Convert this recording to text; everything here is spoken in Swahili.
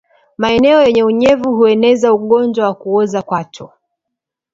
Maeneo yenye unyevu hueneza ugonjwa wa kuoza kwato